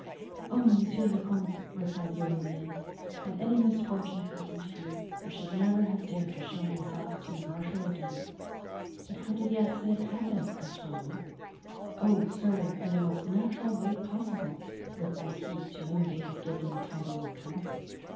"Oh, monsieur le comte," replied the old man, "had any misfortune happened to you, I should never have dared to show myself to the marshal again." "But how did the accident happen?" asked Raoul. "Oh, sir, in the most natural way possible," replied he to whom they had given the title of count.